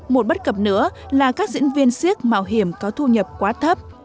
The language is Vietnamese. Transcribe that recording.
một bất cập nữa là các diễn viên siếc mạo hiểm có thu nhập quá thấp